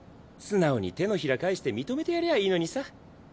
素直に手のひら返して認めてやりゃいいのにさ。